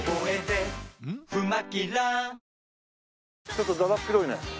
ちょっとだだっ広いね。